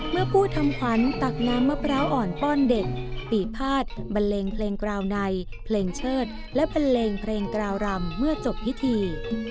เมื่อผู้ทำขวัญตักน้ำมะพร้าวอ่อนป้อนเด็กปีภาษบันเลงเพลงกราวในเพลงเชิดและบันเลงเพลงกราวรำเมื่อจบพิธี